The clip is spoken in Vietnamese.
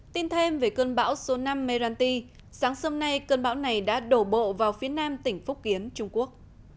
tin thêm về cơn bão số năm meranti sáng sớm nay cơn bão này đã đổ bộ vào phía nam tỉnh phúc kiến trung quốc